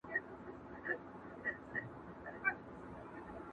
چي منگول ته مو جوړ کړی عدالت دئ،